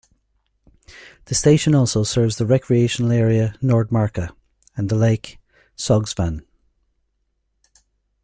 The station also serves the recreational area Nordmarka and the lake Sognsvann.